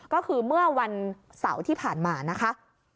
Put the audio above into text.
ก็คือเมื่อวันเสาร์ที่ผ่านมานะคะ